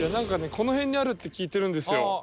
この辺にあるって聞いてるんですよ。